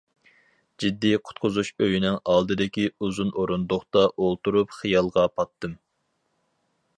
جىددىي قۇتقۇزۇش ئۆيىنىڭ ئالدىدىكى ئۇزۇن ئورۇندۇقتا ئولتۇرۇپ خىيالغا پاتتىم.